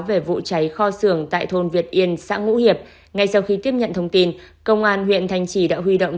về vụ cháy kho sưởng tại thôn việt yên xã ngũ hiệp ngay sau khi tiếp nhận thông tin công an huyện thanh trì đã huy động